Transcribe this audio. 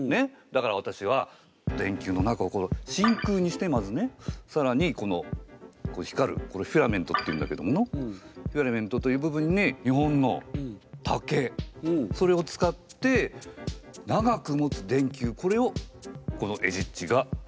だからわたしは電球の中を真空にしてまずねさらにこの光るこれフィラメントっていうんだけどものうフィラメントという部分に日本の竹それを使って長くもつ電球これをこのエジっちが発明したわけだよ。